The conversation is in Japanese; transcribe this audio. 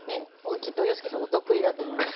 きっと洋輔さんお得意だと思います。